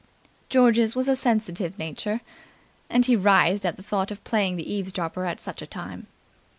George's was a sensitive nature, and he writhed at the thought of playing the eavesdropper at such a time.